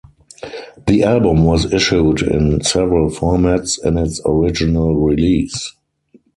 The album was issued in several formats in its original release.